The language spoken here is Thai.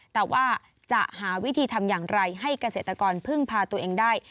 แต่ว่าจะหาวิธีทำอย่างไรให้เกษตรกรพึ่งพาตัวเองได้